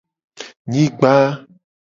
Nyigba.